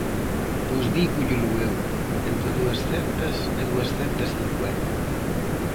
Pois dígollelo eu: entre duascentas e duascentas cincuenta.